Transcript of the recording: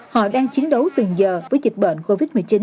họ đang chiến đấu từng giờ với dịch bệnh covid một mươi chín